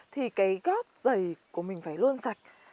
thì cái góc giày của mình phải luôn sạch